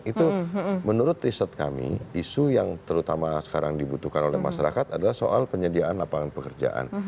itu menurut riset kami isu yang terutama sekarang dibutuhkan oleh masyarakat adalah soal penyediaan lapangan pekerjaan